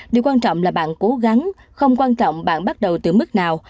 điều quan trọng là bạn cố gắng không quan trọng bạn bắt đầu từ mức nào